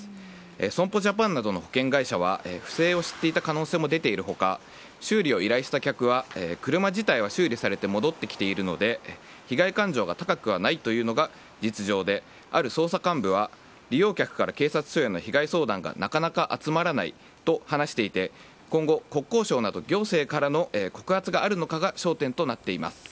損保ジャパンなどの保険会社は不正を知っていた可能性も出ている他、修理を依頼した客は車自体は修理されて戻ってきているので被害感情が高くはないというのが実情である捜査幹部は利用客から警察署への被害相談がなかなか集まらないと話していて今後、国交省など行政からの告発があるのかが焦点となっています。